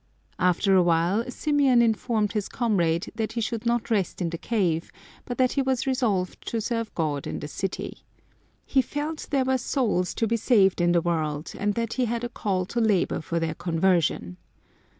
After a while Symeon informed his comrade that he could not rest in the cave, but that he was resolved to serve God in the city. He felt there were souls to be saved in the world, and that he had a call to labour for their conversion.